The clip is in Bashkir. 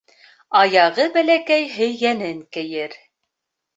Аяғы бәләкәй һөйгәнен кейер.